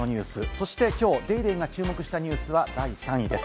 そしてきょう『ＤａｙＤａｙ．』が注目したニュースは第３位です。